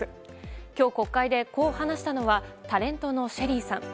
今日、国会でこう話したのはタレントのＳＨＥＬＬＹさん。